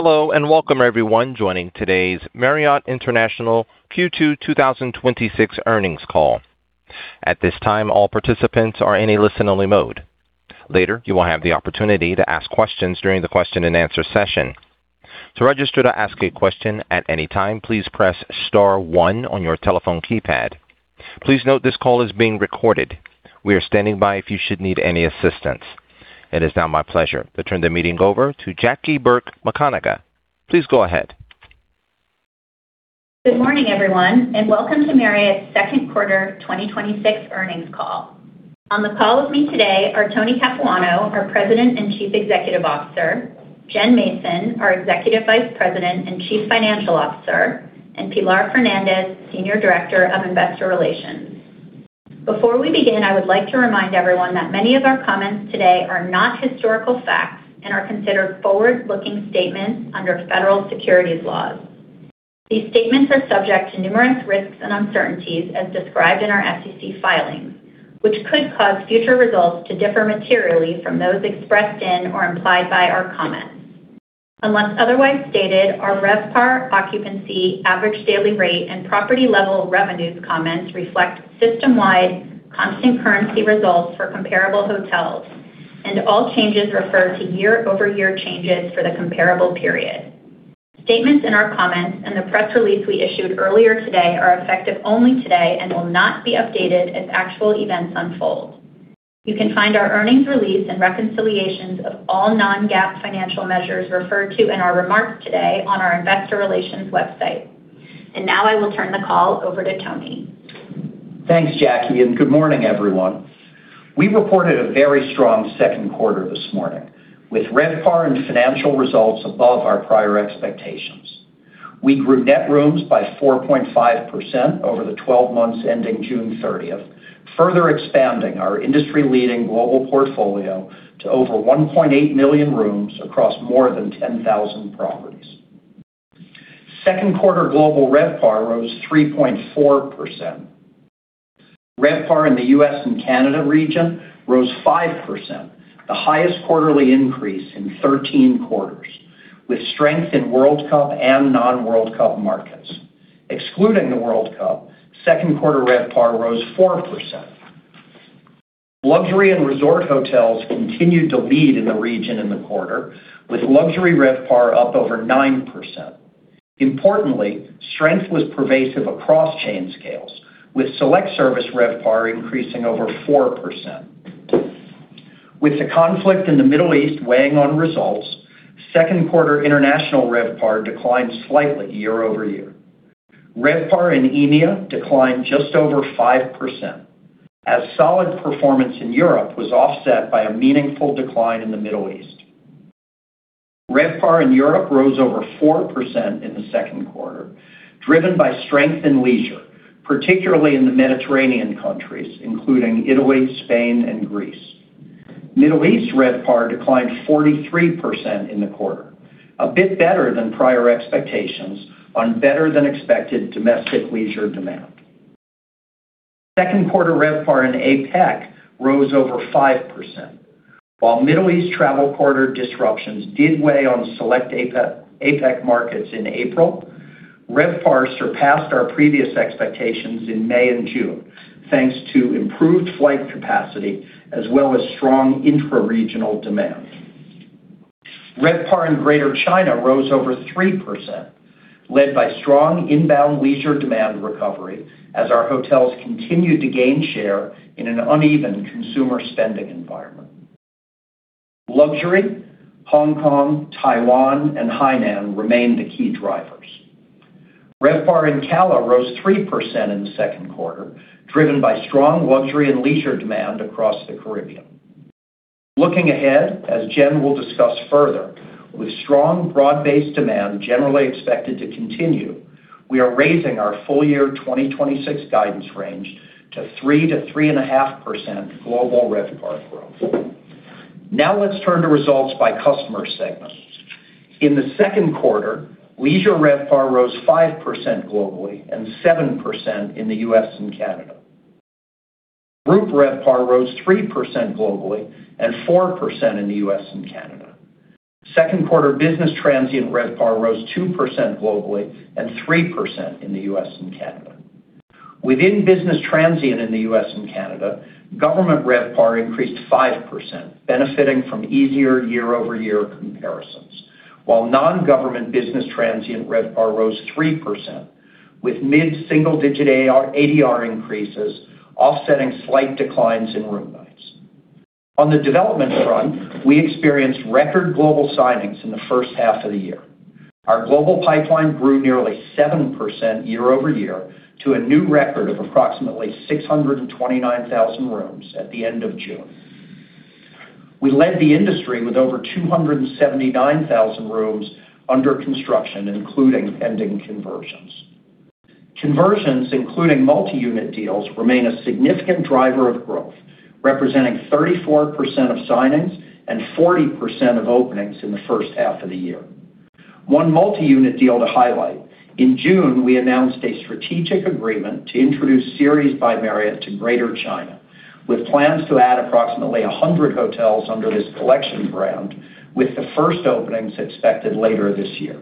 Hello, welcome everyone joining today's Marriott International Q2 2026 earnings call. At this time, all participants are in a listen-only mode. Later, you will have the opportunity to ask questions during the question and answer session. To register to ask a question at any time, please press star one on your telephone keypad. Please note this call is being recorded. We are standing by if you should need any assistance. It is now my pleasure to turn the meeting over to Jackie Burka McConagha. Please go ahead. Good morning everyone, welcome to Marriott's second quarter 2026 earnings call. On the call with me today are Tony Capuano, our President and Chief Executive Officer, Jen Mason, our Executive Vice President and Chief Financial Officer, and Pilar Fernandez, Senior Director of Investor Relations. Before we begin, I would like to remind everyone that many of our comments today are not historical facts and are considered forward-looking statements under federal securities laws. These statements are subject to numerous risks and uncertainties as described in our SEC filings, which could cause future results to differ materially from those expressed in or implied by our comments. Unless otherwise stated, our RevPAR, occupancy, average daily rate, and property-level revenues comments reflect system-wide constant currency results for comparable hotels, and all changes refer to year-over-year changes for the comparable period. Statements in our comments and the press release we issued earlier today are effective only today and will not be updated as actual events unfold. You can find our earnings release and reconciliations of all non-GAAP financial measures referred to in our remarks today on our investor relations website. Now I will turn the call over to Tony. Thanks, Jackie, good morning everyone. We reported a very strong second quarter this morning, with RevPAR and financial results above our prior expectations. We grew net rooms by 4.5% over the 12 months ending June 30th, further expanding our industry-leading global portfolio to over 1.8 million rooms across more than 10,000 properties. Second quarter global RevPAR rose 3.4%. RevPAR in the U.S. and Canada region rose 5%, the highest quarterly increase in 13 quarters, with strength in World Cup and non-World Cup markets. Excluding the World Cup, second quarter RevPAR rose 4%. Luxury and resort hotels continued to lead in the region in the quarter with luxury RevPAR up over 9%. Importantly, strength was pervasive across chain scales with select service RevPAR increasing over 4%. With the conflict in the Middle East weighing on results, second quarter international RevPAR declined slightly year-over-year. RevPAR in EMEA declined just over 5%, as solid performance in Europe was offset by a meaningful decline in the Middle East. RevPAR in Europe rose over 4% in the second quarter, driven by strength in leisure, particularly in the Mediterranean countries, including Italy, Spain, and Greece. Middle East RevPAR declined 43% in the quarter, a bit better than prior expectations on better than expected domestic leisure demand. Second quarter RevPAR in APAC rose over 5%. While Middle East travel quarter disruptions did weigh on select APAC markets in April, RevPAR surpassed our previous expectations in May and June, thanks to improved flight capacity as well as strong intra-regional demand. RevPAR in Greater China rose over 3%, led by strong inbound leisure demand recovery as our hotels continued to gain share in an uneven consumer spending environment. Luxury, Hong Kong, Taiwan, and Hainan remained the key drivers. RevPAR in CALA rose 3% in the second quarter, driven by strong luxury and leisure demand across the Caribbean. Looking ahead, as Jen will discuss further, with strong broad-based demand generally expected to continue, we are raising our full-year of 2026 guidance range to 3%-3.5% global RevPAR growth. Let's turn to results by customer segment. In the second quarter, leisure RevPAR rose 5% globally and 7% in the U.S. and Canada. Group RevPAR rose 3% globally and 4% in the U.S. and Canada. Second quarter business transient RevPAR rose 2% globally and 3% in the U.S. and Canada. Within business transient in the U.S. and Canada, government RevPAR increased 5%, benefiting from easier year-over-year comparisons. Non-government business transient RevPAR rose 3%, with mid-single-digit ADR increases offsetting slight declines in room nights. On the development front, we experienced record global signings in the first half of the year. Our global pipeline grew nearly 7% year-over-year to a new record of approximately 629,000 rooms at the end of June. We led the industry with over 279,000 rooms under construction, including pending conversions. Conversions, including multi-unit deals, remain a significant driver of growth, representing 34% of signings and 40% of openings in the first half of the year. One multi-unit deal to highlight. In June, we announced a strategic agreement to introduce Series by Marriott to Greater China, with plans to add approximately 100 hotels under this collection brand, with the first openings expected later this year.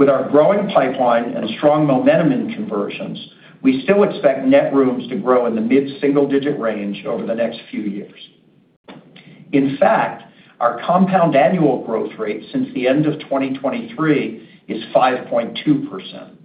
Our growing pipeline and strong momentum in conversions, we still expect net rooms to grow in the mid-single-digit range over the next few years. Our compound annual growth rate since the end of 2023 is 5.2%.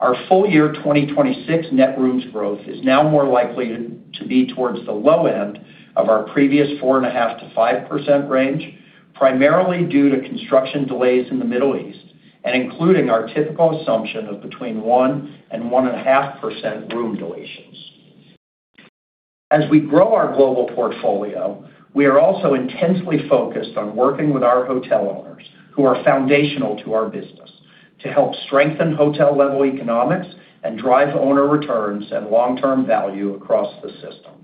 Our full-year 2026 net rooms growth is now more likely to be towards the low end of our previous 4.5%-5% range, primarily due to construction delays in the Middle East and including our typical assumption of between 1% and 1.5% room deletions. We grow our global portfolio, we are also intensely focused on working with our hotel owners, who are foundational to our business, to help strengthen hotel-level economics and drive owner returns and long-term value across the system.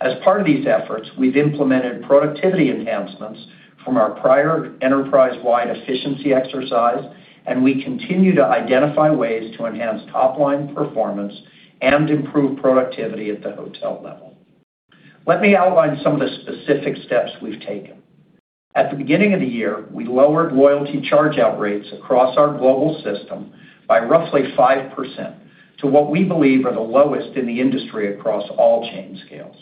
As part of these efforts, we've implemented productivity enhancements from our prior enterprise-wide efficiency exercise, and we continue to identify ways to enhance top-line performance and improve productivity at the hotel level. Let me outline some of the specific steps we've taken. At the beginning of the year, we lowered loyalty charge-out rates across our global system by roughly 5% to what we believe are the lowest in the industry across all chain scales.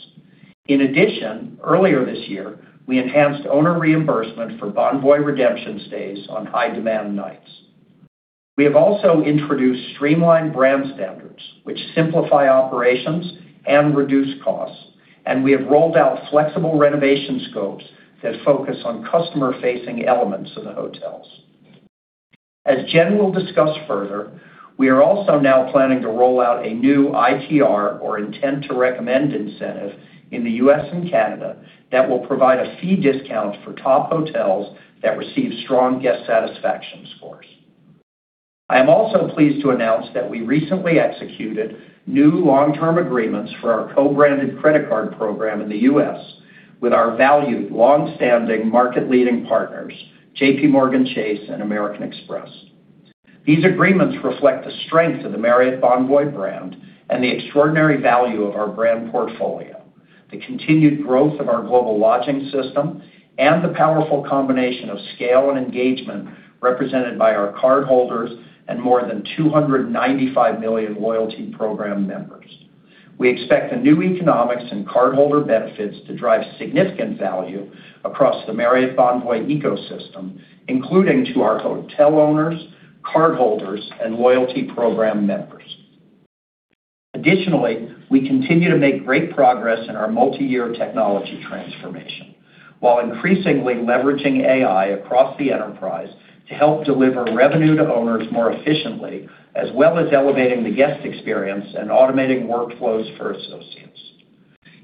In addition, earlier this year, we enhanced owner reimbursement for Bonvoy redemption stays on high-demand nights. We have also introduced streamlined brand standards, which simplify operations and reduce costs, and we have rolled out flexible renovation scopes that focus on customer-facing elements of the hotels. As Jen will discuss further, we are also now planning to roll out a new ITR, or Intent to Recommend incentive, in the U.S. and Canada that will provide a fee discount for top hotels that receive strong guest satisfaction scores. I am also pleased to announce that we recently executed new long-term agreements for our co-branded credit card program in the U.S. with our valued, longstanding, market-leading partners, JPMorgan Chase and American Express. These agreements reflect the strength of the Marriott Bonvoy brand and the extraordinary value of our brand portfolio, the continued growth of our global lodging system, and the powerful combination of scale and engagement represented by our cardholders and more than 295 million loyalty program members. Additionally, we continue to make great progress in our multi-year technology transformation, while increasingly leveraging AI across the enterprise to help deliver revenue to owners more efficiently, as well as elevating the guest experience and automating workflows for associates.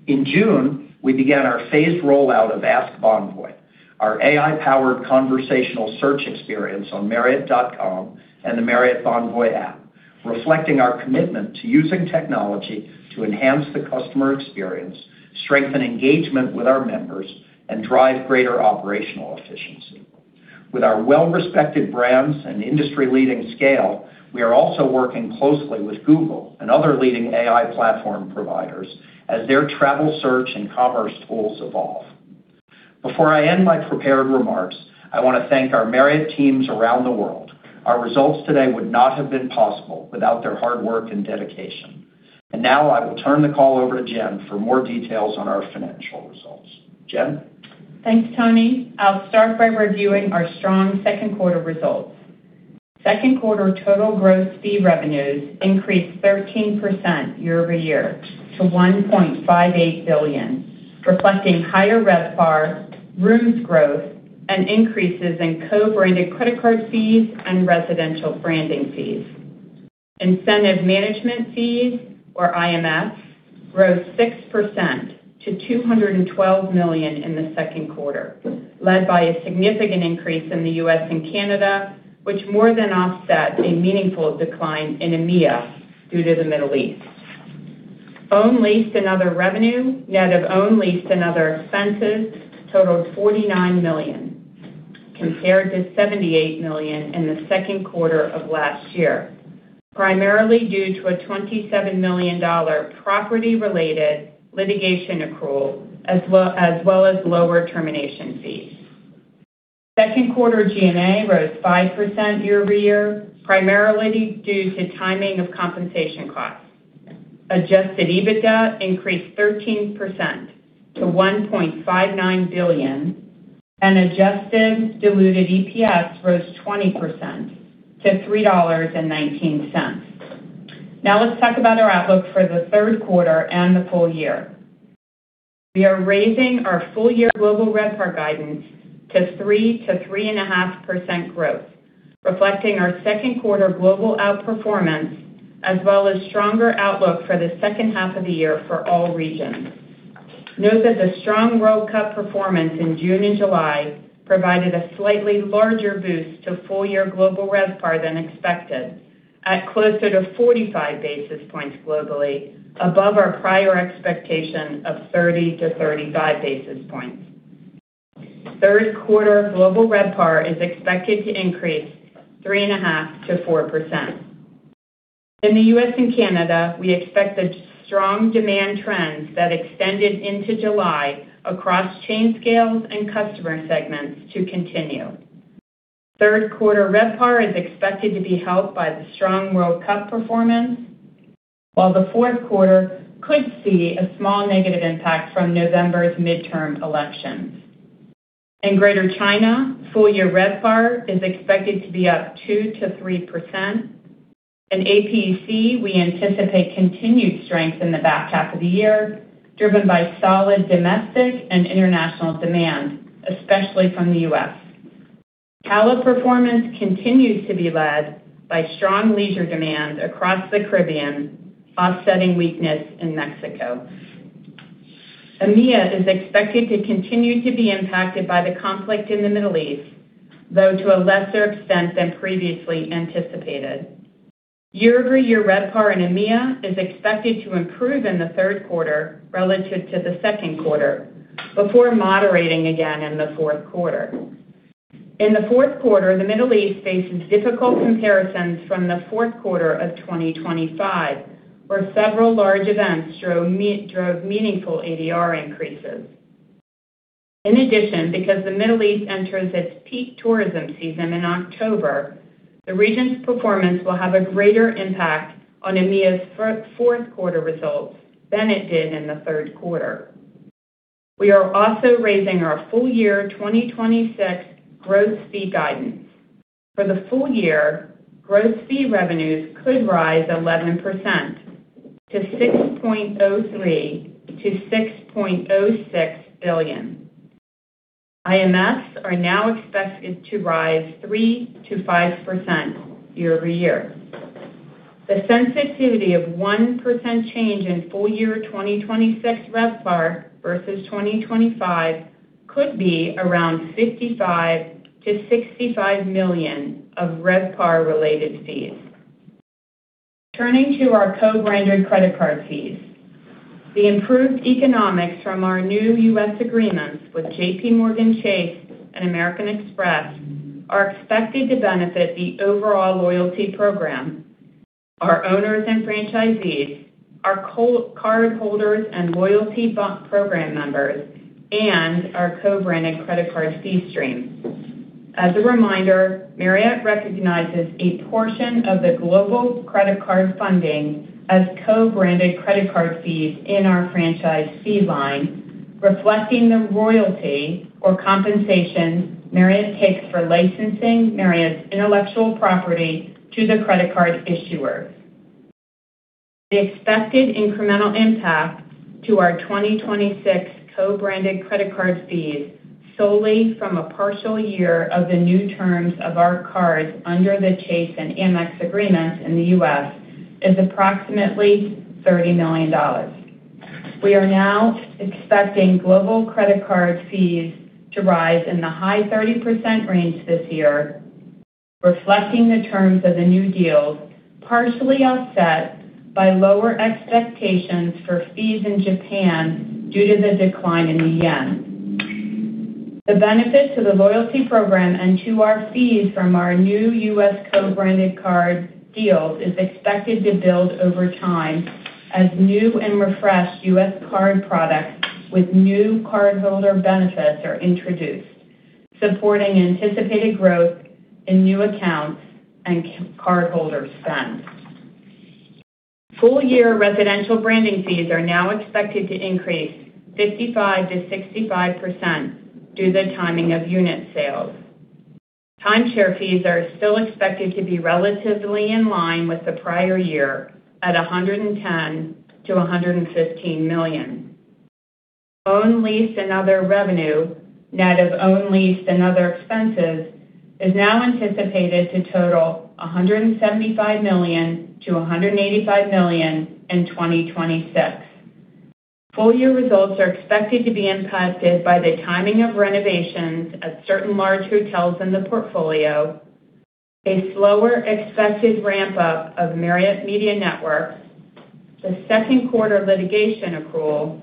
In June, we began our phased rollout of Ask Bonvoy, our AI-powered conversational search experience on marriott.com and the Marriott Bonvoy app, reflecting our commitment to using technology to enhance the customer experience, strengthen engagement with our members, and drive greater operational efficiency. With our well-respected brands and industry-leading scale, we are also working closely with Google and other leading AI platform providers as their travel search and commerce tools evolve. Before I end my prepared remarks, I want to thank our Marriott teams around the world. Our results today would not have been possible without their hard work and dedication. Now I will turn the call over to Jen for more details on our financial results. Jen? Thanks, Tony. I'll start by reviewing our strong second quarter results. Second quarter total growth fee revenues increased 13% year-over-year to $1.58 billion, reflecting higher RevPAR, rooms growth, and increases in co-branded credit card fees and residential branding fees. Incentive management fees, or IMFs, rose 6% to $212 million in the second quarter, led by a significant increase in the U.S. and Canada, which more than offset a meaningful decline in EMEA due to the Middle East. Owned, leased, and other revenue net of owned, leased, and other expenses totaled $49 million, compared to $78 million in the second quarter of last year, primarily due to a $27 million property-related litigation accrual, as well as lower termination fees. Second quarter G&A rose 5% year-over-year, primarily due to timing of compensation costs. Adjusted EBITDA increased 13% to $1.59 billion, and adjusted diluted EPS rose 20% to $3.19. Let's talk about our outlook for the third quarter and the full-year. We are raising our full-year global RevPAR guidance to 3%-3.5% growth, reflecting our second quarter global outperformance, as well as stronger outlook for the second half of the year for all regions. Note that the strong World Cup performance in June and July provided a slightly larger boost to full-year global RevPAR than expected at closer to 45 basis points globally, above our prior expectation of 30-35 basis points. Third quarter global RevPAR is expected to increase 3.5%-4%. In the U.S. and Canada, we expect the strong demand trends that extended into July across chain scales and customer segments to continue. Third quarter RevPAR is expected to be helped by the strong World Cup performance, while the fourth quarter could see a small negative impact from November's midterm elections. In Greater China, full-year RevPAR is expected to be up 2%-3%. In APAC, we anticipate continued strength in the back half of the year, driven by solid domestic and international demand, especially from the U.S. CALA performance continues to be led by strong leisure demand across the Caribbean, offsetting weakness in Mexico. EMEA is expected to continue to be impacted by the conflict in the Middle East, though to a lesser extent than previously anticipated. Year-over-year RevPAR in EMEA is expected to improve in the third quarter relative to the second quarter before moderating again in the fourth quarter. In the fourth quarter, the Middle East faces difficult comparisons from the fourth quarter of 2025, where several large events drove meaningful ADR increases. In addition, because the Middle East enters its peak tourism season in October, the region's performance will have a greater impact on EMEA's fourth quarter results than it did in the third quarter. We are also raising our full-year 2026 gross fee guidance. For the full-year, gross fee revenues could rise 11%, to $6.03 billion-$6.06 billion. IMFs are now expected to rise 3%-5% year-over-year. The sensitivity of 1% change in full-year 2026 RevPAR versus 2025 could be around $55 million-$65 million of RevPAR-related fees. Turning to our co-branded credit card fees. The improved economics from our new U.S. agreements with JPMorgan Chase and American Express are expected to benefit the overall loyalty program. Our owners and franchisees, our cardholders and loyalty program members, and our co-branded credit card fee stream. As a reminder, Marriott recognizes a portion of the global credit card funding as co-branded credit card fees in our franchise fee line, reflecting the royalty or compensation Marriott takes for licensing Marriott's intellectual property to the credit card issuers. The expected incremental impact to our 2026 co-branded credit card fees solely from a partial year of the new terms of our cards under the Chase and Amex agreements in the U.S. is approximately $30 million. We are now expecting global credit card fees to rise in the high 30% range this year, reflecting the terms of the new deals, partially offset by lower expectations for fees in Japan due to the decline in the yen. The benefit to the loyalty program and to our fees from our new U.S. co-branded card deals is expected to build over time as new and refreshed U.S. card products with new cardholder benefits are introduced, supporting anticipated growth in new accounts and cardholder spend. Full-year residential branding fees are now expected to increase 55%-65% due to the timing of unit sales. Timeshare fees are still expected to be relatively in line with the prior year at $110 million-$115 million. Owned, leased, and other revenue, net of owned, leased, and other expenses, is now anticipated to total $175 million-$185 million in 2026. Full-year results are expected to be impacted by the timing of renovations at certain large hotels in the portfolio, a slower expected ramp-up of Marriott Media Network, the second quarter litigation accrual,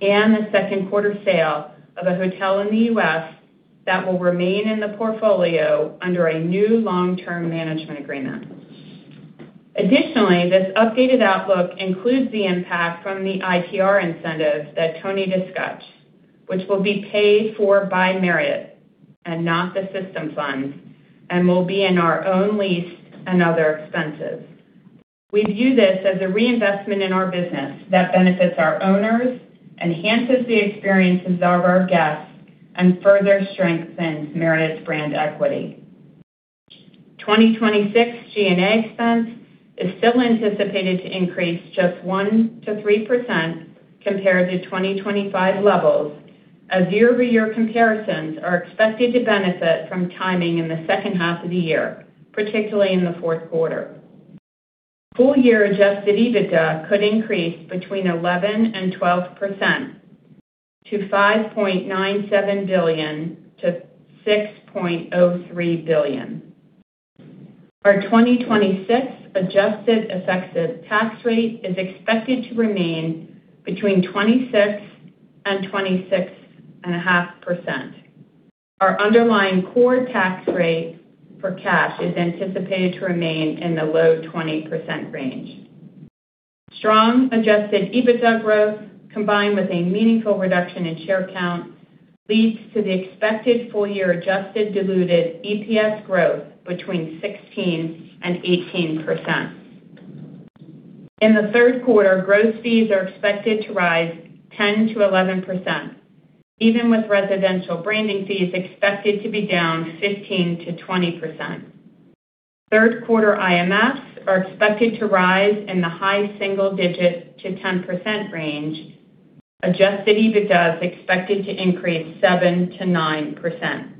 and the second quarter sale of a hotel in the U.S. that will remain in the portfolio under a new long-term management agreement. Additionally, this updated outlook includes the impact from the ITR incentives that Tony discussed, which will be paid for by Marriott and not the system funds and will be in our own lease and other expenses. We view this as a reinvestment in our business that benefits our owners, enhances the experiences of our guests, and further strengthens Marriott's brand equity. 2026 G&A expense is still anticipated to increase just 1%-3% compared to 2025 levels, as year-over-year comparisons are expected to benefit from timing in the second half of the year, particularly in the fourth quarter. Full-year adjusted EBITDA could increase between 11% and 12%, to $5.97 billion-$6.03 billion. Our 2026 adjusted effective tax rate is expected to remain between 26% and 26.5%. Our underlying core tax rate for cash is anticipated to remain in the low 20% range. Strong adjusted EBITDA growth, combined with a meaningful reduction in share count, leads to the expected full-year adjusted diluted EPS growth between 16% and 18%. In the third quarter, gross fees are expected to rise 10%-11%, even with residential branding fees expected to be down 15%-20%. Third quarter IMFs are expected to rise in the high single digit to 10% range. Adjusted EBITDA is expected to increase 7%-9%.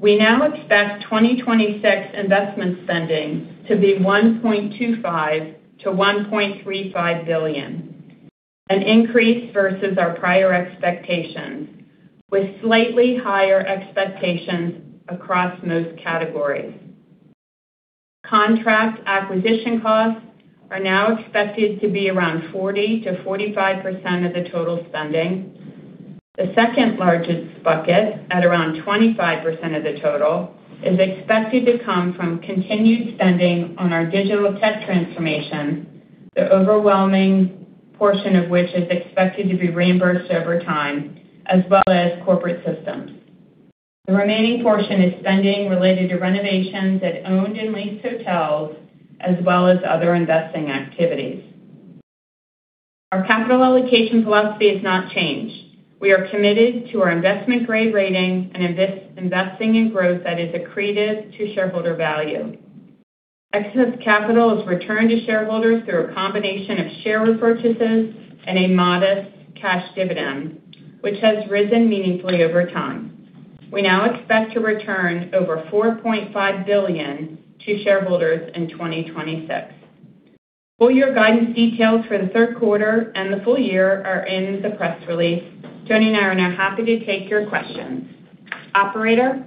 We now expect 2026 investment spending to be $1.25 billion-$1.35 billion, an increase versus our prior expectations, with slightly higher expectations across most categories. Contract acquisition costs are now expected to be around 40%-45% of the total spending. The second largest bucket, at around 25% of the total, is expected to come from continued spending on our digital tech transformation, the overwhelming portion of which is expected to be reimbursed over time, as well as corporate systems. The remaining portion is spending related to renovations at owned and leased hotels, as well as other investing activities. Our capital allocation philosophy has not changed. We are committed to our investment grade rating and investing in growth that is accretive to shareholder value. Excess capital is returned to shareholders through a combination of share repurchases and a modest cash dividend, which has risen meaningfully over time. We now expect to return over $4.5 billion to shareholders in 2026. Full-year guidance details for the third quarter and the full-year are in the press release. Tony and I are now happy to take your questions. Operator?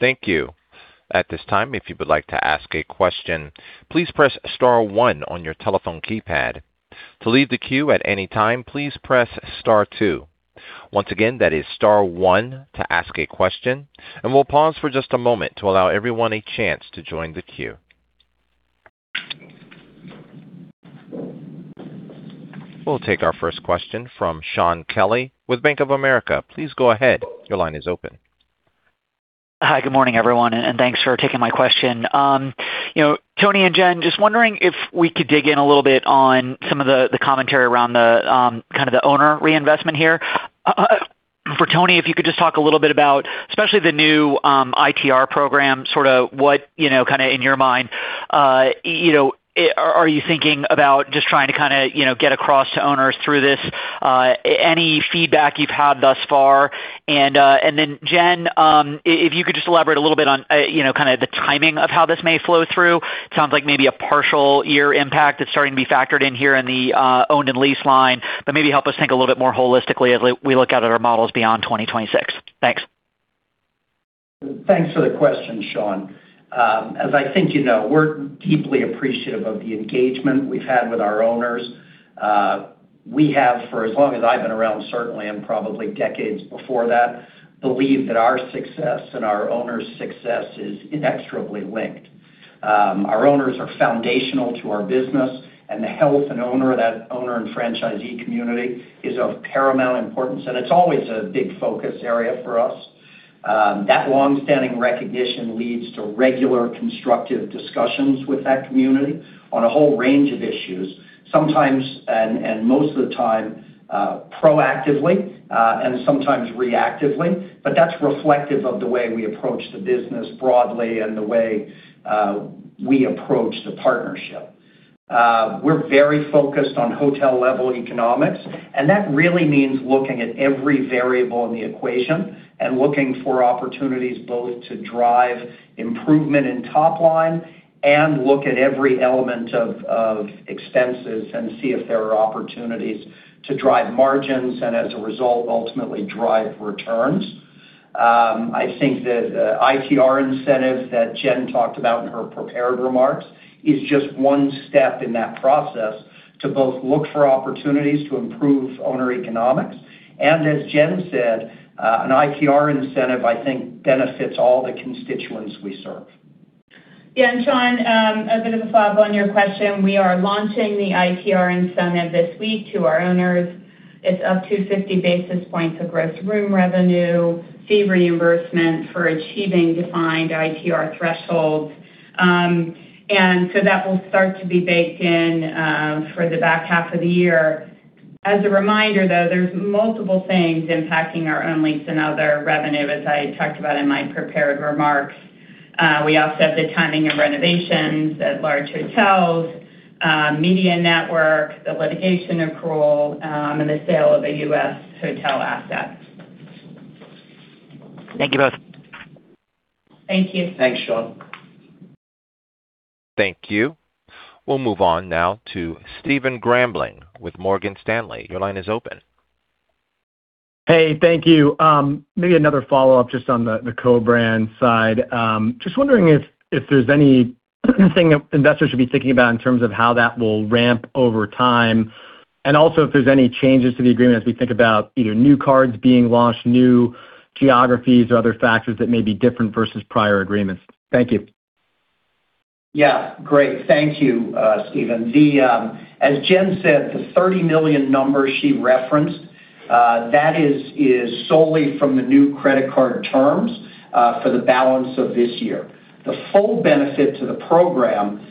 Thank you. At this time, if you would like to ask a question, please press star one on your telephone keypad. To leave the queue at any time, please press star two. Once again, that is star one to ask a question. We'll pause for just a moment to allow everyone a chance to join the queue. We'll take our first question from Shaun Kelley with Bank of America. Please go ahead. Your line is open. Hi. Good morning, everyone, thanks for taking my question. Tony and Jen, just wondering if we could dig in a little bit on some of the commentary around the owner reinvestment here. For Tony, if you could just talk a little bit about, especially the new ITR program, what, in your mind, are you thinking about just trying to get across to owners through this, any feedback you've had thus far? Then Jen, if you could just elaborate a little bit on the timing of how this may flow through. Sounds like maybe a partial year impact that's starting to be factored in here in the owned and leased line, but maybe help us think a little bit more holistically as we look out at our models beyond 2026. Thanks. Thanks for the question, Shaun. As I think you know, we're deeply appreciative of the engagement we've had with our owners. We have, for as long as I've been around, certainly, probably decades before that, believed that our success and our owners' success is inexorably linked. Our owners are foundational to our business. The health of that owner and franchisee community is of paramount importance, it's always a big focus area for us. That longstanding recognition leads to regular constructive discussions with that community on a whole range of issues, sometimes, most of the time, proactively, sometimes reactively. That's reflective of the way we approach the business broadly and the way we approach the partnership. We're very focused on hotel-level economics. That really means looking at every variable in the equation and looking for opportunities both to drive improvement in top line and look at every element of expenses and see if there are opportunities to drive margins and, as a result, ultimately drive returns. I think the ITR incentive that Jen talked about in her prepared remarks is just one step in that process to both look for opportunities to improve owner economics and, as Jen said, an ITR incentive, I think, benefits all the constituents we serve. Yeah, Shaun, a bit of a follow-up on your question. We are launching the ITR incentive this week to our owners. It's up to 50 basis points of gross room revenue, fee reimbursement for achieving defined ITR thresholds. That will start to be baked in for the back half of the year. As a reminder, though, there's multiple things impacting our own lease and other revenue, as I talked about in my prepared remarks. We also have the timing of renovations at large hotels, media network, the litigation accrual, and the sale of a U.S. hotel asset. Thank you both. Thank you. Thanks, Shaun. Thank you. We'll move on now to Stephen Grambling with Morgan Stanley. Your line is open. Hey, thank you. Maybe another follow-up just on the co-brand side. Just wondering if there's anything investors should be thinking about in terms of how that will ramp over time, and also if there's any changes to the agreement as we think about either new cards being launched, new geographies or other factors that may be different versus prior agreements. Thank you. Yeah. Great. Thank you, Stephen. As Jen said, the $30 million number she referenced, that is solely from the new credit card terms, for the balance of this year. The full benefit to the program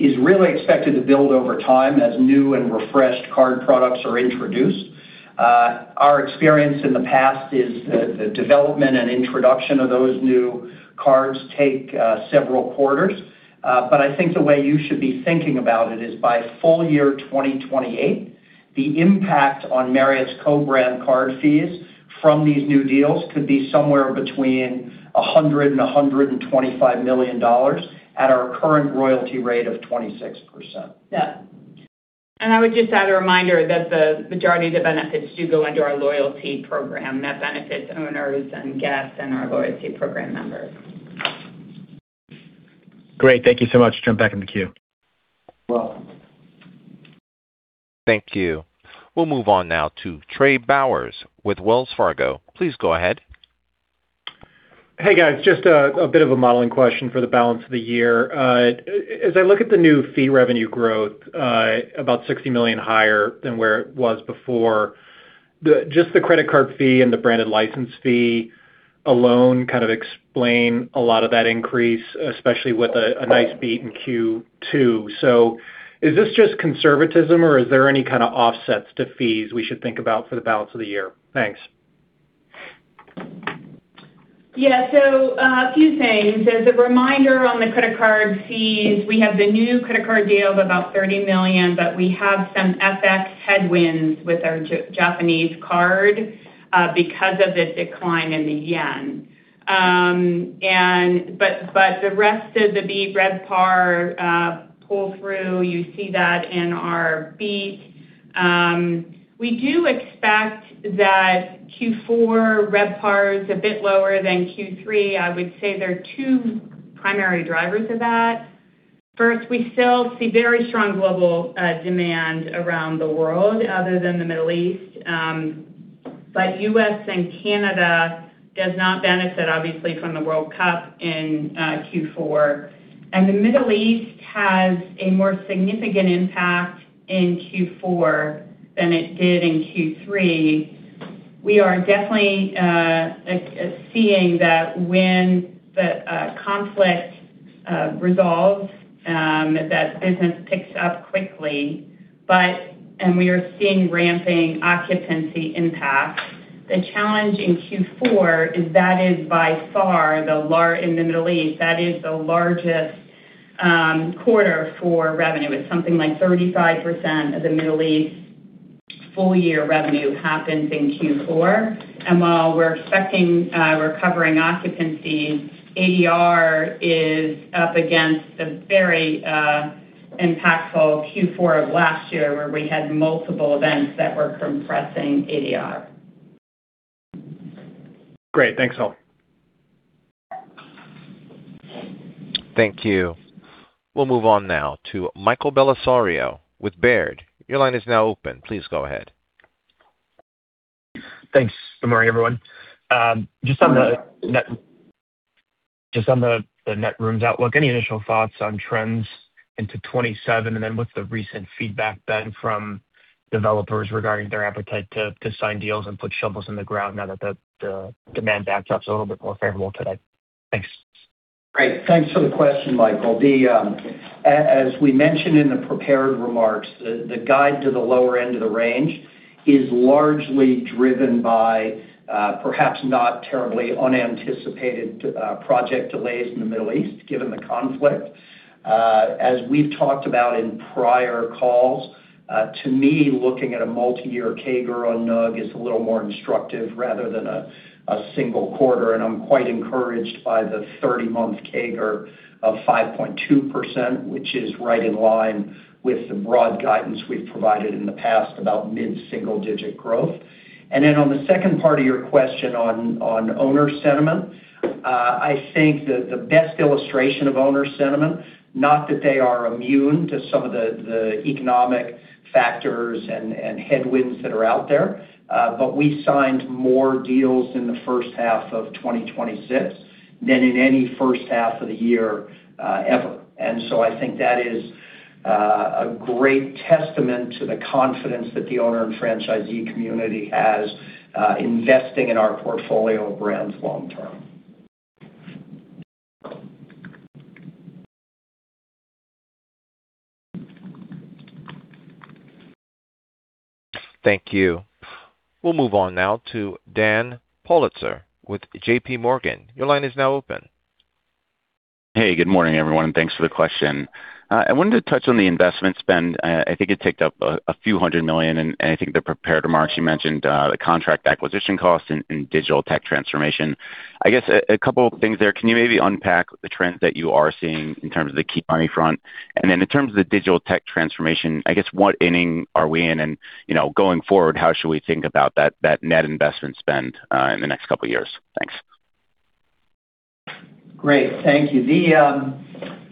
is really expected to build over time as new and refreshed card products are introduced. Our experience in the past is the development and introduction of those new cards take several quarters. I think the way you should be thinking about it is by full-year 2028, the impact on Marriott's co-brand card fees from these new deals could be somewhere between $100 million-$125 million at our current royalty rate of 26%. Yeah. I would just add a reminder that the majority of the benefits do go into our loyalty program that benefits owners and guests and our loyalty program members. Great. Thank you so much. Jump back in the queue. You're welcome. Thank you. We'll move on now to Trey Bowers with Wells Fargo. Please go ahead. Hey, guys. Just a bit of a modeling question for the balance of the year. As I look at the new fee revenue growth, about $60 million higher than where it was before, just the credit card fee and the branded license fee alone kind of explain a lot of that increase, especially with a nice beat in Q2. Is this just conservatism or is there any kind of offsets to fees we should think about for the balance of the year? Thanks. Yeah. A few things. As a reminder on the credit card fees, we have the new credit card deal of about $30 million, but we have some FX headwinds with our Japanese card, because of the decline in the yen. The rest of the beat, RevPAR pull through, you see that in our beat. We do expect that Q4 RevPAR is a bit lower than Q3. I would say there are two primary drivers of that. First, we still see very strong global demand around the world other than the Middle East. U.S. and Canada does not benefit, obviously, from the World Cup in Q4. The Middle East has a more significant impact in Q4 than it did in Q3. We are definitely seeing that when the conflict resolves, that business picks up quickly, and we are seeing ramping occupancy impact. The challenge in Q4 is that is by far, in the Middle East, that is the largest quarter for revenue. It's something like 35% of the Middle East full-year revenue happens in Q4. While we're expecting recovering occupancy, ADR is up against a very impactful Q4 of last year where we had multiple events that were compressing ADR. Great. Thanks all. Thank you. We'll move on now to Michael Bellisario with Baird. Your line is now open. Please go ahead. Thanks. Good morning, everyone. Just on the net rooms outlook, any initial thoughts on trends into 2027? Then what's the recent feedback been, from developers regarding their appetite to sign deals and put shovels in the ground now that the demand backdrop's a little bit more favorable today? Thanks. Great. Thanks for the question, Michael. As we mentioned in the prepared remarks, the guide to the lower end of the range is largely driven by, perhaps not terribly unanticipated project delays in the Middle East, given the conflict. As we've talked about in prior calls, to me, looking at a multi-year CAGR on NUG is a little more instructive rather than a single quarter. I'm quite encouraged by the 30-month CAGR of 5.2%, which is right in line with the broad guidance we've provided in the past about mid-single-digit growth. Then on the second part of your question on owner sentiment, I think that the best illustration of owner sentiment, not that they are immune to some of the economic factors and headwinds that are out there, but we signed more deals in the first half of 2026 than in any first half of the year ever. So I think that is a great testament to the confidence that the owner and franchisee community has investing in our portfolio of brands long term. Thank you. We'll move on now to Dan Politzer with JPMorgan. Your line is now open Hey, good morning, everyone, and thanks for the question. I wanted to touch on the investment spend. I think it ticked up $100 million, and I think the prepared remarks, you mentioned the contract acquisition costs and digital tech transformation. I guess, a couple of things there. Can you maybe unpack the trends that you are seeing in terms of the key money front? In terms of the digital tech transformation, I guess, what inning are we in and, going forward, how should we think about that net investment spend in the next couple of years? Thanks. Great. Thank you.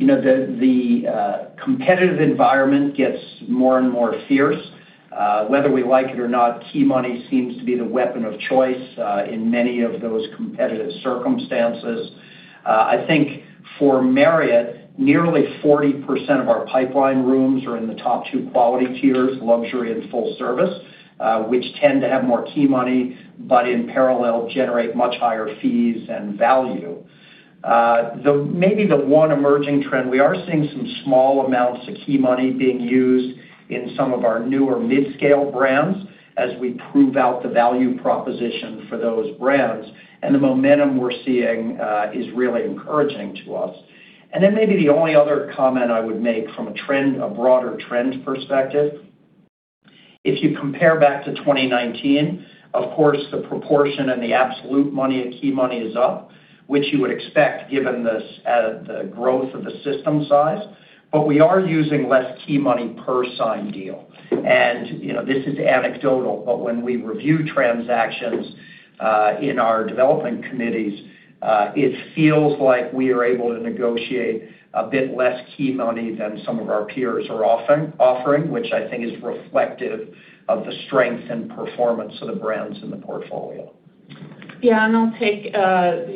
The competitive environment gets more and more fierce. Whether we like it or not, key money seems to be the weapon of choice in many of those competitive circumstances. I think for Marriott, nearly 40% of our pipeline rooms are in the top two quality tiers, luxury and full-service, which tend to have more key money, but in parallel, generate much higher fees and value. Maybe the one emerging trend, we are seeing some small amounts of key money being used in some of our newer mid-scale brands as we prove out the value proposition for those brands, and the momentum we're seeing is really encouraging to us. Maybe the only other comment I would make from a broader trend perspective, if you compare back to 2019, of course, the proportion and the absolute money of key money is up, which you would expect given the growth of the system size. We are using less key money per signed deal. This is anecdotal, but when we review transactions in our development committees, it feels like we are able to negotiate a bit less key money than some of our peers are offering. Which I think is reflective of the strength and performance of the brands in the portfolio. Yeah, I'll take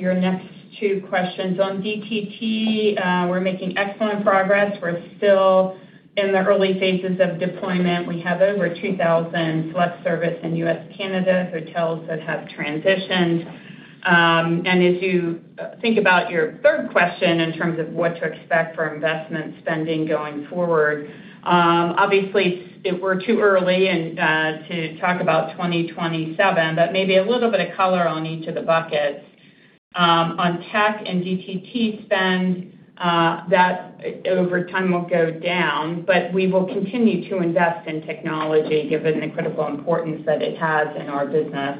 your next two questions. On DTT, we're making excellent progress. We're still in the early phases of deployment. We have over 2,000 select service in U.S.-Canada hotels that have transitioned. As you think about your third question in terms of what to expect for investment spending going forward, obviously we're too early to talk about 2027, but maybe a little bit of color on each of the buckets. On tech and DTT spend, that over time will go down, but we will continue to invest in technology given the critical importance that it has in our business.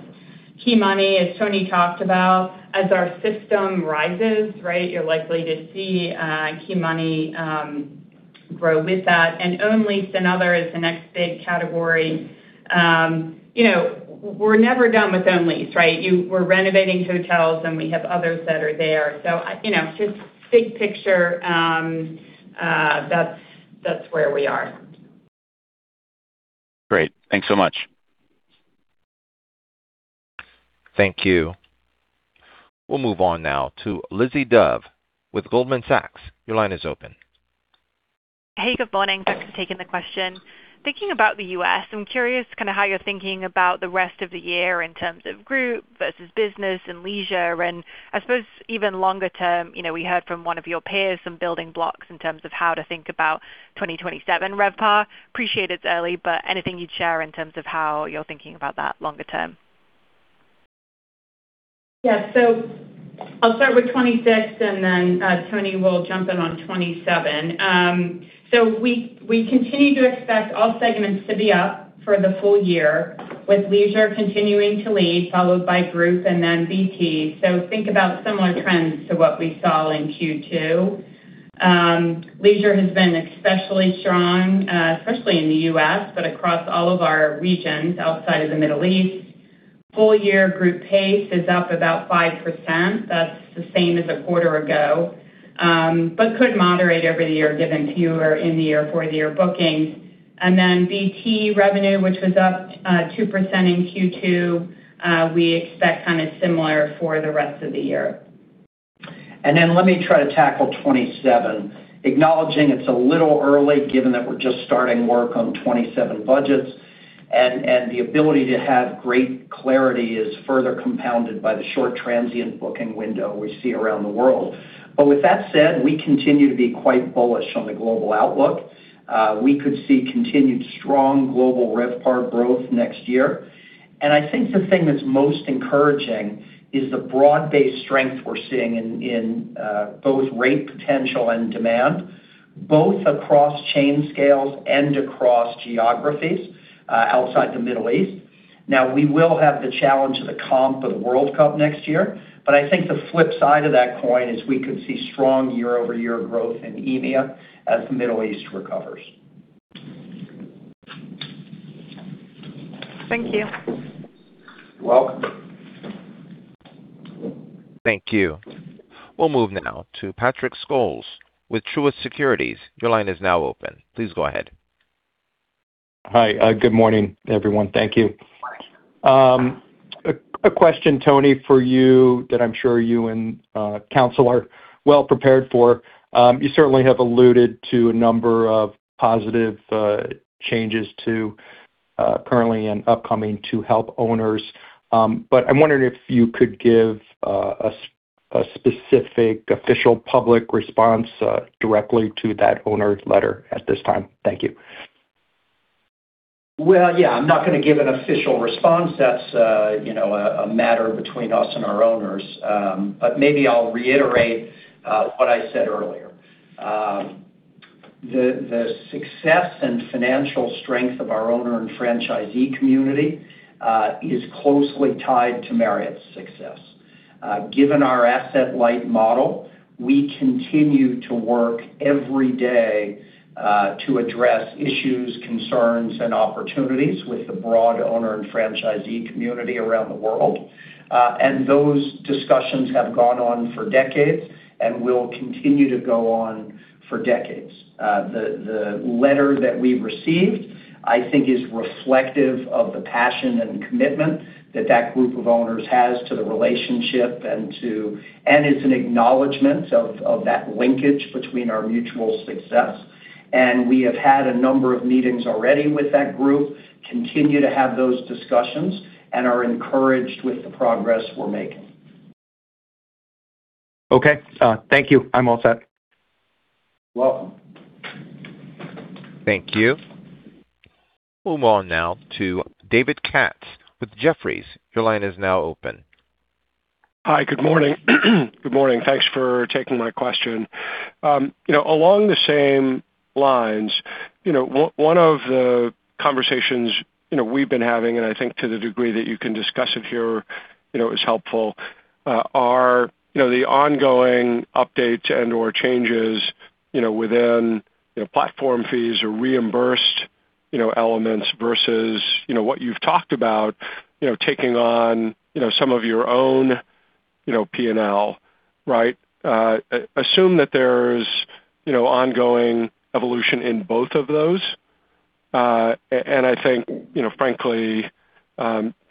Key money, as Tony talked about, as our system rises, you're likely to see key money grow with that. Owned lease and other is the next big category. We're never done with owned lease, right? We're renovating hotels, and we have others that are there. Just big picture, that's where we are. Great. Thanks so much. Thank you. We'll move on now to Lizzie Dove with Goldman Sachs. Your line is open. Good morning. Thanks for taking the question. Thinking about the U.S., I'm curious how you're thinking about the rest of the year in terms of group versus business and leisure. I suppose even longer term, we heard from one of your peers some building blocks in terms of how to think about 2027 RevPAR. Appreciate it's early, anything you'd share in terms of how you're thinking about that longer term? Yeah. I'll start with 2026. Tony will jump in on 2027. We continue to expect all segments to be up for the full-year, with leisure continuing to lead, followed by group and then BT. Think about similar trends to what we saw in Q2. Leisure has been especially strong, especially in the U.S., but across all of our regions outside of the Middle East. Full-year group pace is up about 5%. That's the same as a quarter ago. Could moderate over the year given fewer in the year, fourth-year bookings. BT revenue, which was up 2% in Q2, we expect similar for the rest of the year. Let me try to tackle 2027. Acknowledging it's a little early given that we're just starting work on 2027 budgets, the ability to have great clarity is further compounded by the short transient booking window we see around the world. With that said, we continue to be quite bullish on the global outlook. We could see continued strong global RevPAR growth next year. I think the thing that's most encouraging is the broad-based strength we're seeing in both rate potential and demand, both across chain scales and across geographies outside the Middle East. We will have the challenge of the comp of the World Cup next year. I think the flip side of that coin is we could see strong year-over-year growth in EMEA as the Middle East recovers. Thank you. You're welcome. Thank you. We'll move now to Patrick Scholes with Truist Securities. Your line is now open. Please go ahead. Hi. Good morning, everyone. Thank you. A question, Tony, for you that I'm sure you and counsel are well prepared for. You certainly have alluded to a number of positive changes to currently and upcoming to help owners. I'm wondering if you could give a specific official public response directly to that owner's letter at this time. Thank you. Yeah, I'm not going to give an official response. That's a matter between us and our owners. Maybe I'll reiterate what I said earlier. The success and financial strength of our owner and franchisee community is closely tied to Marriott's success. Given our asset-light model, we continue to work every day to address issues, concerns, and opportunities with the broad owner and franchisee community around the world. Those discussions have gone on for decades and will continue to go on for decades. The letter that we received, I think is reflective of the passion and commitment that that group of owners has to the relationship, and it's an acknowledgement of that linkage between our mutual success. We have had a number of meetings already with that group, continue to have those discussions, and are encouraged with the progress we're making. Okay. Thank you. I'm all set. You're welcome. Thank you. We'll move on now to David Katz with Jefferies. Your line is now open. Hi. Good morning. Good morning. Thanks for taking my question. Along the same lines, one of the conversations we've been having, I think to the degree that you can discuss it here, is helpful, are the ongoing updates and or changes within platform fees or reimbursed elements versus what you've talked about, taking on some of your own P&L, right? Assume that there's ongoing evolution in both of those. I think, frankly,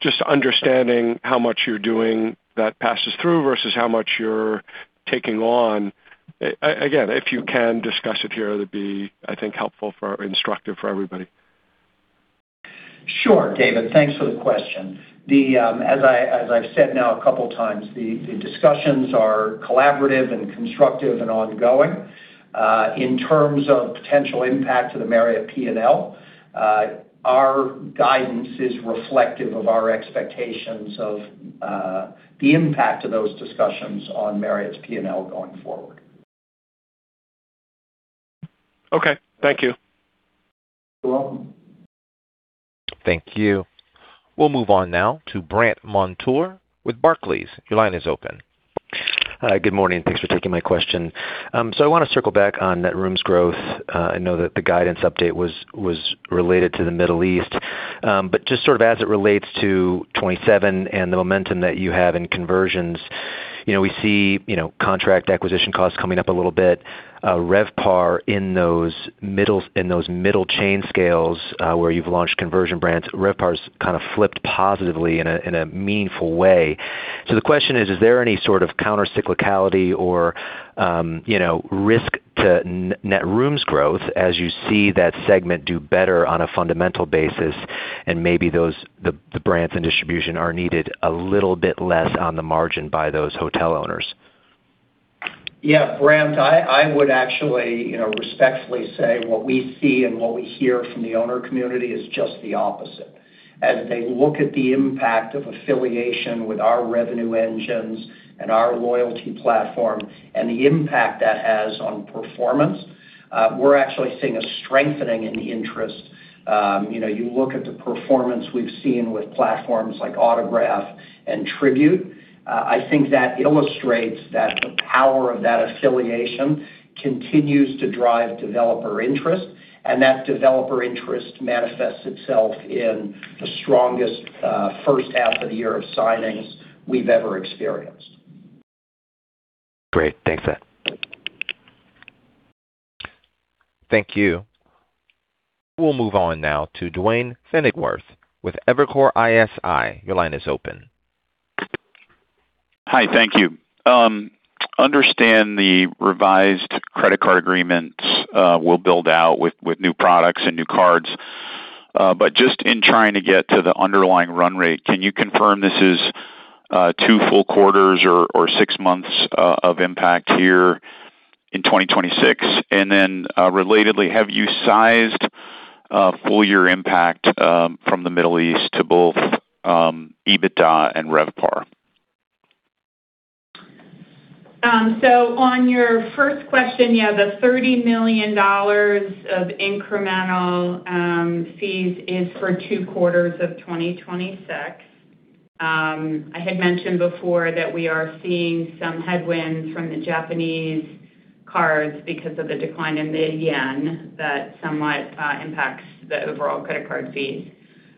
just understanding how much you're doing that passes through versus how much you're taking on. Again, if you can discuss it here, that'd be, I think, helpful for or instructive for everybody. Sure, David. Thanks for the question. As I've said now a couple of times, the discussions are collaborative and constructive and ongoing. In terms of potential impact to the Marriott P&L, our guidance is reflective of our expectations of the impact of those discussions on Marriott's P&L going forward. Okay. Thank you. You're welcome. Thank you. We'll move on now to Brandt Montour with Barclays. Your line is open. Hi. Good morning. Thanks for taking my question. I want to circle back on net rooms growth. I know that the guidance update was related to the Middle East. Just sort of as it relates to 2027 and the momentum that you have in conversions, we see contract acquisition costs coming up a little bit. RevPAR in those middle chain scales, where you've launched conversion brands, RevPAR's kind of flipped positively in a meaningful way. The question is there any sort of counter cyclicality or risk to net rooms growth as you see that segment do better on a fundamental basis and maybe the brands and distribution are needed a little bit less on the margin by those hotel owners? Yeah. Brandt, I would actually respectfully say what we see and what we hear from the owner community is just the opposite. As they look at the impact of affiliation with our revenue engines and our loyalty platform and the impact that has on performance, we're actually seeing a strengthening in the interest. You look at the performance we've seen with platforms like Autograph and Tribute, I think that illustrates that the power of that affiliation continues to drive developer interest, and that developer interest manifests itself in the strongest first half of the year of signings we've ever experienced. Great. Thanks sir. Thank you. We'll move on now to Duane Pfennigwerth with Evercore ISI. Your line is open. Hi. Thank you. Understand the revised credit card agreements will build out with new products and new cards. Just in trying to get to the underlying run rate, can you confirm this is two full quarters or six months of impact here in 2026? Relatedly, have you sized a full-year impact from the Middle East to both EBITDA and RevPAR? On your first question, yeah, the $30 million of incremental fees is for two quarters of 2026. I had mentioned before that we are seeing some headwinds from the Japanese cards because of the decline in the yen that somewhat impacts the overall credit card fees.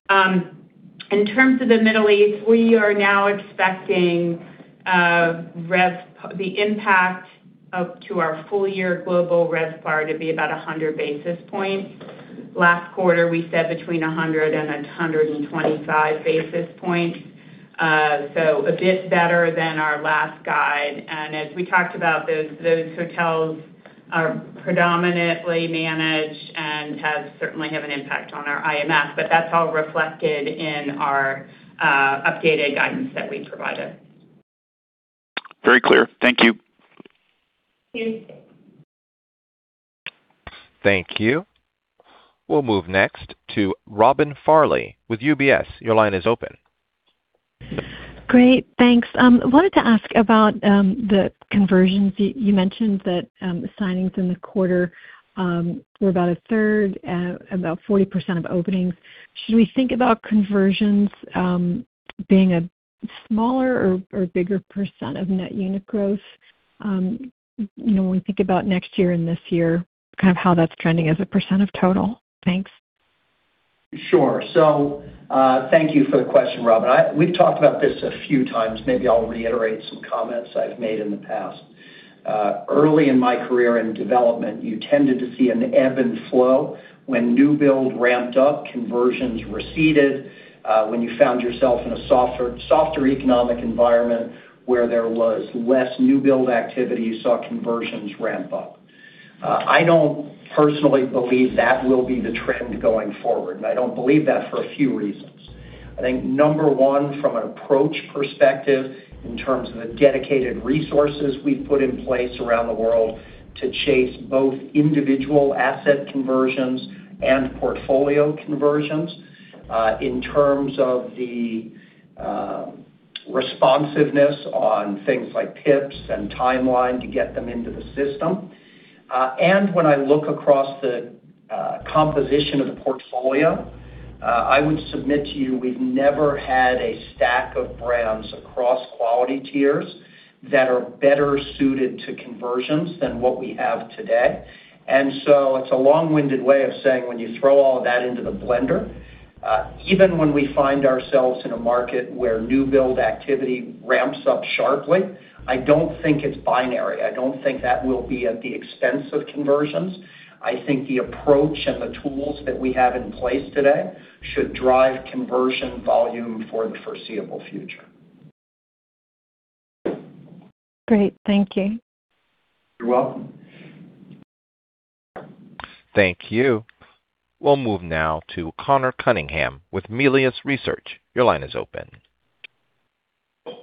In terms of the Middle East, we are now expecting the impact up to our full-year global RevPAR to be about 100 basis points. Last quarter, we said between 100 and 125 basis points. A bit better than our last guide. As we talked about, those hotels are predominantly managed and certainly have an impact on our IMF, but that's all reflected in our updated guidance that we provided. Very clear. Thank you. Thank you. We'll move next to Robin Farley with UBS. Your line is open. Great. Thanks. I wanted to ask about the conversions. You mentioned that signings in the quarter were about a third, about 40% of openings. Should we think about conversions being a smaller or bigger percent of net unit growth? When we think about next year and this year, kind of how that's trending as a percent of total. Thanks. Sure. Thank you for the question, Robin. We've talked about this a few times. Maybe I'll reiterate some comments I've made in the past. Early in my career in development, you tended to see an ebb and flow. When new build ramped up, conversions receded. When you found yourself in a softer economic environment where there was less new build activity, you saw conversions ramp up. I don't personally believe that will be the trend going forward, and I don't believe that for a few reasons. I think number one, from an approach perspective, in terms of the dedicated resources we've put in place around the world to chase both individual asset conversions and portfolio conversions, in terms of the responsiveness on things like PIPs and timeline to get them into the system. When I look across the composition of the portfolio, I would submit to you we've never had a stack of brands across quality tiers that are better suited to conversions than what we have today. It's a long-winded way of saying, when you throw all of that into the blender, even when we find ourselves in a market where new build activity ramps up sharply, I don't think it's binary. I don't think that will be at the expense of conversions. I think the approach and the tools that we have in place today should drive conversion volume for the foreseeable future. Great. Thank you. You're welcome. Thank you. We'll move now to Conor Cunningham with Melius Research. Your line is open.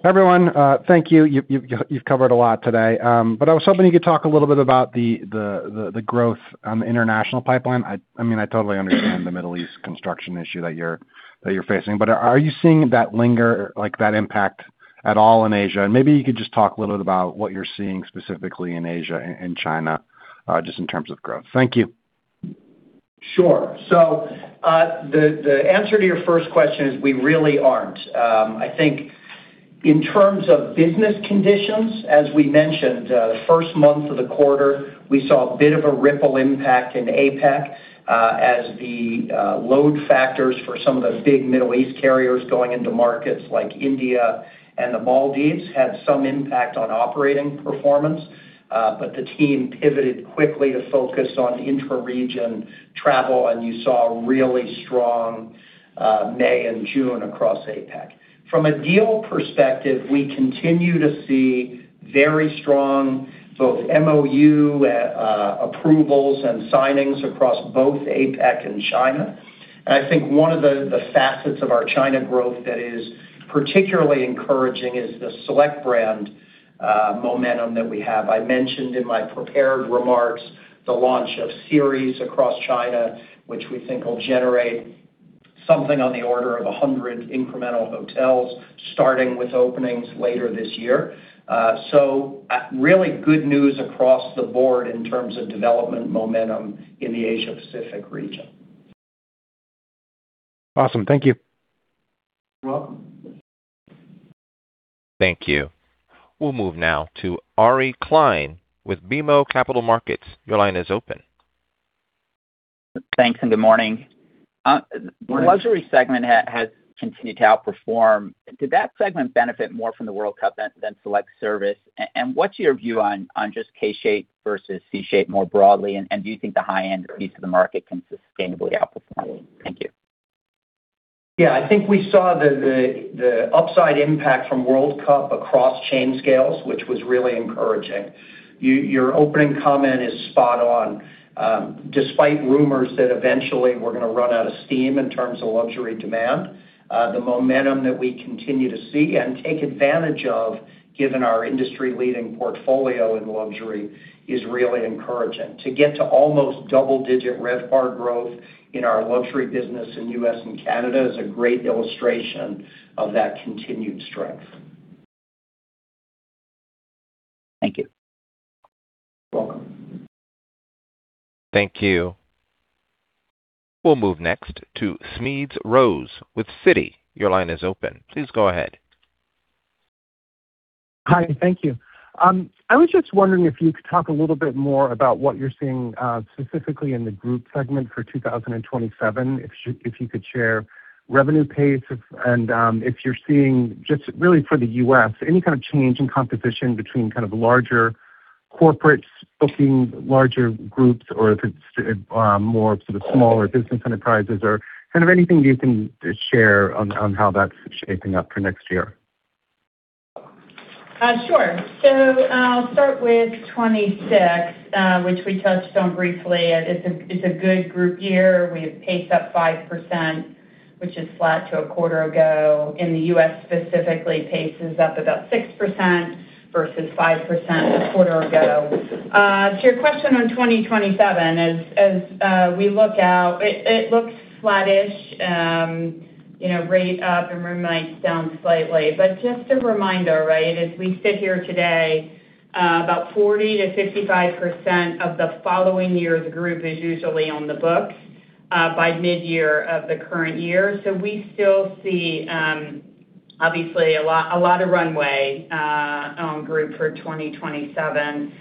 Everyone, thank you. I was hoping you could talk a little bit about the growth on the international pipeline. I totally understand the Middle East construction issue that you're facing. Are you seeing that linger, like that impact, at all in Asia? Maybe you could just talk a little bit about what you're seeing specifically in Asia and China, just in terms of growth. Thank you. Sure. The answer to your first question is we really aren't. I think in terms of business conditions, as we mentioned, the first month of the quarter, we saw a bit of a ripple impact in APAC as the load factors for some of the big Middle East carriers going into markets like India and the Maldives had some impact on operating performance. The team pivoted quickly to focus on intra-region travel, and you saw a really strong May and June across APAC. From a deal perspective, we continue to see very strong both MOU approvals and signings across both APAC and China. I think one of the facets of our China growth that is particularly encouraging is the select brand momentum that we have. I mentioned in my prepared remarks the launch of Series across China, which we think will generate something on the order of 100 incremental hotels, starting with openings later this year. Really good news across the board in terms of development momentum in the Asia-Pacific region. Awesome. Thank you. You're welcome. Thank you. We'll move now to Ari Klein with BMO Capital Markets. Your line is open. Thanks. Good morning. Good morning. Luxury segment has continued to outperform. Did that segment benefit more from the World Cup than select service? What's your view on just K-shape versus C-shape more broadly, and do you think the high-end piece of the market can sustainably outperform? Thank you. Yeah, I think we saw the upside impact from World Cup across chain scales, which was really encouraging. Your opening comment is spot on. Despite rumors that eventually we're going to run out of steam in terms of luxury demand, the momentum that we continue to see and take advantage of given our industry-leading portfolio in luxury is really encouraging. To get to almost double-digit RevPAR growth in our luxury business in U.S. and Canada is a great illustration of that continued strength. Thank you. You're welcome. Thank you. We'll move next to Smedes Rose with Citi. Your line is open. Please go ahead. Hi. Thank you. I was just wondering if you could talk a little bit more about what you're seeing specifically in the group segment for 2027. If you could share revenue pace and if you're seeing just really for the U.S., any kind of change in composition between kind of larger corporates booking larger groups or if it's more sort of smaller business enterprises or kind of anything you can share on how that's shaping up for next year. Sure. I'll start with 2026, which we touched on briefly. It's a good group year. We have paced up 5%, which is flat to a quarter ago. In the U.S. specifically, paces up about 6% versus 5% a quarter ago. To your question on 2027, as we look out, it looks flattish, rate up and room nights down slightly. Just a reminder, right, as we sit here today, about 40%-55% of the following year's group is usually on the books by mid-year of the current year. We still see, obviously, a lot of runway on group for 2027.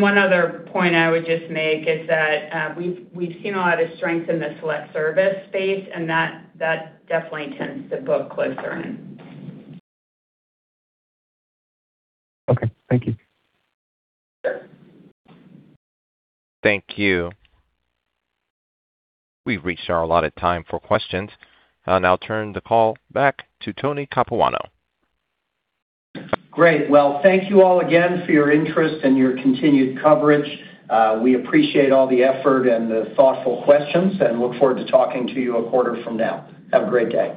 One other point I would just make is that we've seen a lot of strength in the select service space, and that definitely tends to book closer in. Okay. Thank you. Thank you. We've reached our allotted time for questions. I'll now turn the call back to Tony Capuano. Great. Well, thank you all again for your interest and your continued coverage. We appreciate all the effort and the thoughtful questions, and look forward to talking to you a quarter from now. Have a great day.